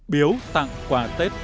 biếu tặng quà tết